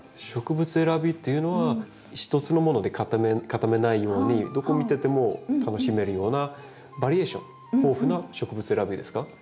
植物選びっていうのは一つのもので固めないようにどこ見てても楽しめるようなバリエーション豊富な植物選びですか？